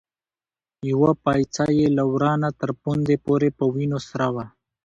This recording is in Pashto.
يوه پايڅه يې له ورانه تر پوندې پورې په وينو سره وه.